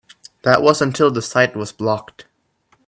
That was until the site was blocked.